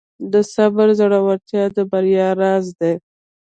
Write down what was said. د صبر زړورتیا د بریا راز دی.